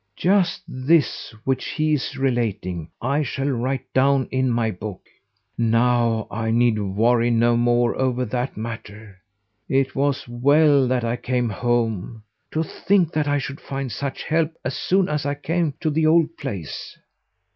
"Just this which he is relating I shall write down in my book. Now I need worry no more over that matter. It was well that I came home. To think that I should find such help as soon as I came to the old place!"